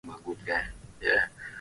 vituo vya redio vinazidi kuwa maarufu